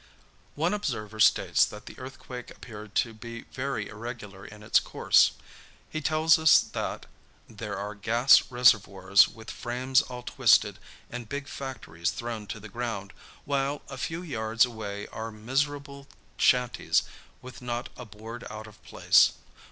One observer states that the earthquake appeared to be very irregular in its course. He tells us that "there are gas reservoirs with frames all twisted and big factories thrown to the ground, while a few yards away are miserable shanties with not a board out of place.